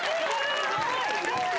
すごいね。